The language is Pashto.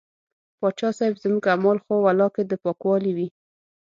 پاچا صاحب زموږ اعمال خو ولاکه د پاکوالي وي.